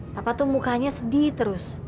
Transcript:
papa tuh mukanya sedih terus